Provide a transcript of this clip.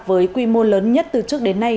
với quy mô lớn nhất từ trước đến nay